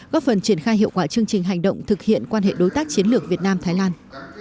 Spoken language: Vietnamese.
góp phần triển khai hiệu quả chương trình hành động thực hiện quan hệ đối tác chiến lược việt nam thái lan